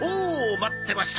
待ってました！